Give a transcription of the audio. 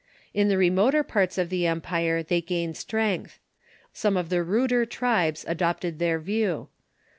In the re moter parts of the empire they gained strength. Some of the ruder tribes adopted their view.